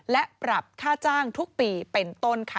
และปรับค่าจ้างทุกปีเป็นต้นค่ะ